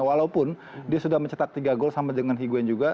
walaupun dia sudah mencetak tiga gol sama dengan higuen juga